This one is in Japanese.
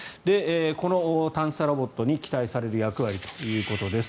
この探査ロボットに期待される役割ということです。